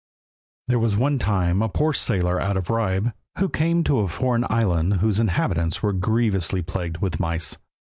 There was one time a poor sailor out of Ribe, who came to a foreign island whose inhabitants were grievously plagued with mice.